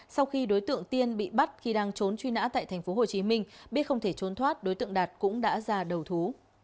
sau khi đối tượng tiên bị bắt khi đang trốn truy nã tại tp hcm biết không thể trốn thoát đối tượng đạt cũng đã ra đầu thú